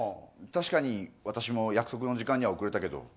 確かに私も約束の時間には遅れたけど。